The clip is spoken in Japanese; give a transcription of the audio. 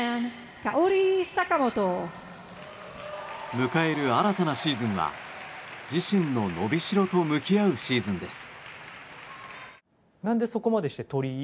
迎える新たなシーズンは自身の伸びしろと向き合うシーズンです。